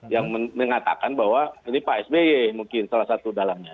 yang mengatakan bahwa ini pak sby mungkin salah satu dalamnya